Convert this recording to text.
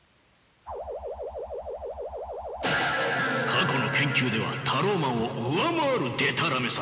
過去の研究ではタローマンを上回るでたらめさ。